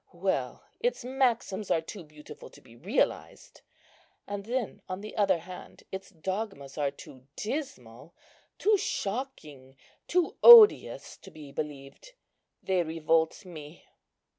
Well, its maxims are too beautiful to be realized; and then on the other hand, its dogmas are too dismal, too shocking, too odious to be believed. They revolt me."